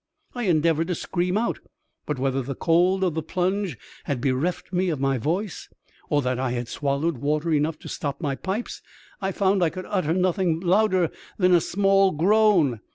I endeavoured to scream out ; but whether the cold of the plunge had bereft me of my voice, or that I had swallowed water enough to stop my pipes, I found I could utter nothing louder than a small groan.